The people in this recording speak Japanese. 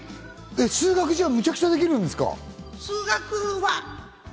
数学じゃあ、むちゃくちゃできるんですか？